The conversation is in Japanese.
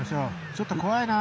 ちょっと怖いな。